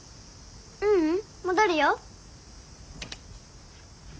ううん。戻るよ。